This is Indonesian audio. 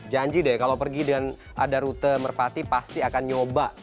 janji deh kalau pergi dan ada rute merpati pasti akan nyoba